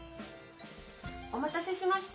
・お待たせしました。